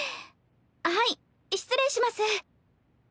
はい失礼します。